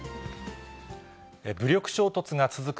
武力衝突が続く